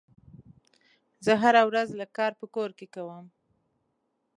زه هره ورځ لږ کار په کور کې کوم.